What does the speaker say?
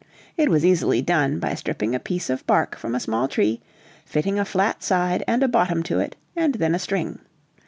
It was easily done by stripping a piece of bark from a small tree, fitting a flat side and a bottom to it, and then a string.